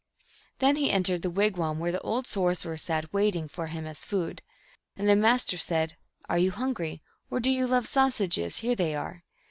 Then he entered the wigwam where the old sor cerer sat, waiting for him as food. And the Master said, " Are you hungry ? Or do you love sausages ? Here they are